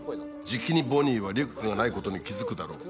じきにボニーはリュックがないことに気付くだろう」